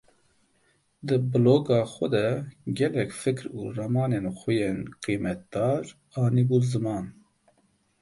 Di bloga xwe de gelek fikr û ramanên xwe yên qîmetdar anîbû ziman.